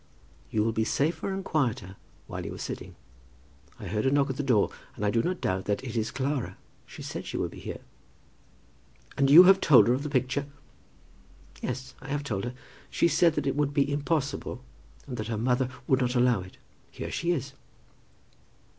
"You will be safer and quieter while you are sitting. I heard a knock at the door, and I do not doubt that it is Clara. She said she would be here." "And you have told her of the picture?" "Yes; I have told her. She said that it would be impossible, and that her mother would not allow it. Here she is."